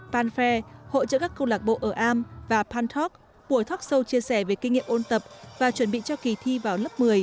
pan fair hội trợ các cô lạc bộ ở am và pan talk buổi talk show chia sẻ về kinh nghiệm ôn tập và chuẩn bị cho kỳ thi vào lớp một mươi